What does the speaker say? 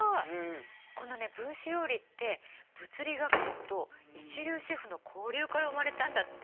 このね分子料理って物理学者と一流シェフの交流から生まれたんだって。